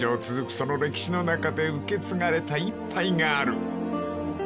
その歴史の中で受け継がれた一杯がある］